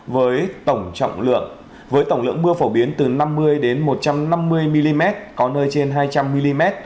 với tổng lượng mưa phổ biến từ năm mươi đến một trăm năm mươi mm có nơi trên hai trăm linh mm